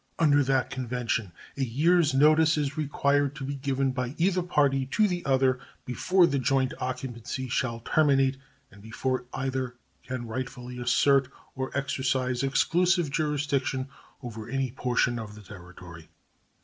Under that convention a year's notice is required to be given by either party to the other before the joint occupancy shall terminate and before either can rightfully assert or exercise exclusive jurisdiction over any portion of the territory.